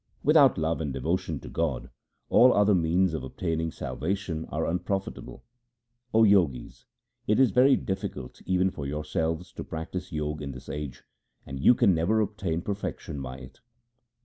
Without love and devotion to God all other means of obtaining salvation are unprofitable. O Jogis, it is very difficult even for yourselves to practise Jog in this age, and you can never obtain perfection by it.